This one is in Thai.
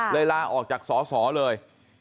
เลยลาออกจากสอเลย